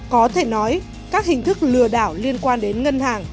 có thể nói các hình thức lừa đảo liên quan đến ngân hàng